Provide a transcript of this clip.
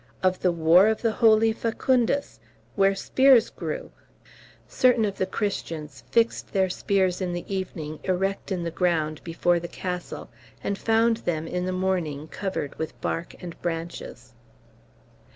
"Of the War of the holy Facundus, where the Spears grew." (Certain of the Christians fixed their spears in the evening, erect in the ground, before the castle; and found them, in the morning, covered with bark and branches.)